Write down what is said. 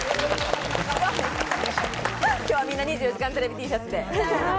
今日はみんな『２４時間テレビ』Ｔシャツで。